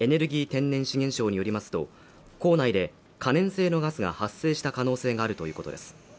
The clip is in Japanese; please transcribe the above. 天然資源相によりますと坑内で可燃性のガスが発生した可能性があるということです